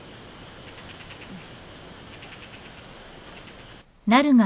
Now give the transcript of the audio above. うん。